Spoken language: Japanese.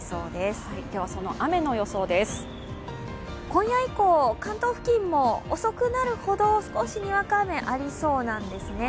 今夜以降、関東付近も遅くなるほど少しにわか雨がありそうなんですね。